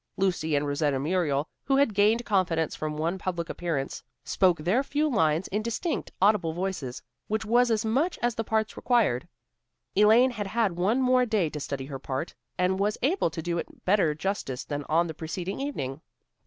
Lucy and Rosetta Muriel, who had gained confidence from one public appearance, spoke their few lines in distinct, audible voices, which was as much as the parts required. Elaine had had one more day to study her part, and was able to do it better justice than on the preceding evening.